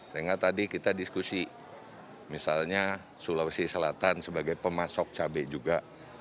sehingga tadi kita diskusi misalnya sulawesi selatan sebagai pemasok cabai juga